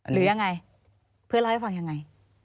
หรือยังไงเพื่อนเล่าให้ฟังยังไง